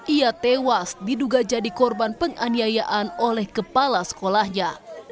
ia tewas diduga jadi korban penganiayaan oleh kepala sekolahnya